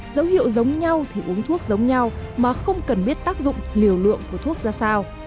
dấu hiệu giống nhau thì uống thuốc giống nhau mà không cần biết tác dụng liều lượng của thuốc ra sao